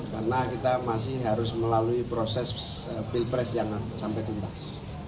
karena kita masih harus melalui proses bilpres yang sampai tuntas